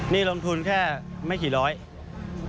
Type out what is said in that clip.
นี่ลงทุนแค่ไม่เกี่ยวกับร้อย